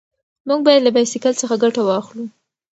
موږ باید له بایسکل څخه ګټه واخلو.